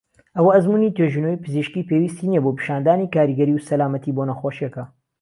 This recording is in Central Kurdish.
ئەوە ئەزموونی توێژینەوەی پزیشکی پێویستی نیە بۆ پیشاندانی کاریگەری و سەلامەتی بۆ نەخۆشیەکە.